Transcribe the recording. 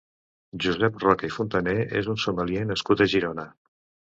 Josep Roca i Fontané és un sommelier nascut a Girona.